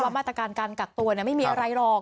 มาตรการการกักตัวไม่มีอะไรหรอก